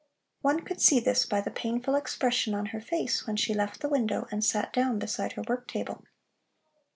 One could see this by the painful expression on her face when she left the window and sat down beside her work table.